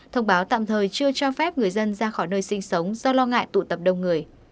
thông báo tạm thời chưa cho phép người dân ra khỏi nơi sinh sống do lo ngại tụ tập đông người